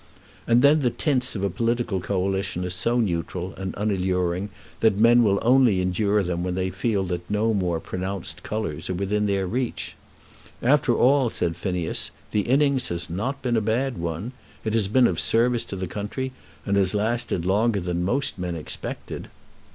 And then the tints of a political Coalition are so neutral and unalluring that men will only endure them when they feel that no more pronounced colours are within their reach. "After all," said Phineas, "the innings has not been a bad one. It has been of service to the country, and has lasted longer than most men expected."